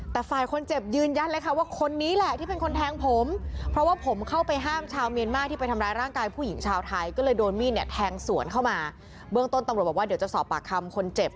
แต่ฝ่ายคนเจ็บยืนยันเลยค่ะว่าคนนี้แหละที่เป็นคนแทงผมเพราะว่าผมเข้าไปห้ามชาวเมียนมาร์ที่ไปทำร้ายร่างกายผู้หญิงชาวไทยก็เลยโดนมีดเนี่ยแทงสวนเข้ามาเบื้องต้นตำรวจบอกว่าเดี๋ยวจะสอบปากคำคนเจ็บ